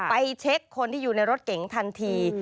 ไปเช็คคนที่อยู่ในรถเก๋งทันที